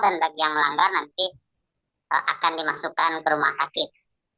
dan bagi yang melanggar nanti akan dimasukkan ke rumah sakit